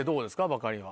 バカリは。